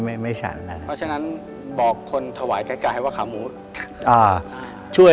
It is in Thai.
เพราะฉะนั้นบอกคนถวายไกลให้ว่าขาหมู